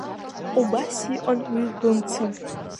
Убас иҟан уи лымца.